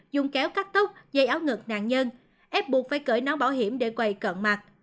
dùng kéo cắt tóc dây áo ngực nạn nhân ép buộc phải cởi nón bảo hiểm để quầy cận mặt